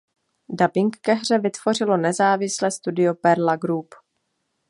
Dabing ke hře vytvořilo nezávislé studio Perla Group.